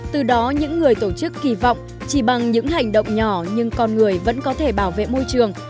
từ đó những người tổ chức kỳ vọng chỉ bằng những hành động nhỏ nhưng con người vẫn có thể bảo vệ môi trường